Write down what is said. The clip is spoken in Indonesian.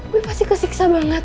gue pasti kesiksa banget